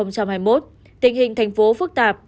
năm hai nghìn hai mươi một tình hình thành phố phức tạp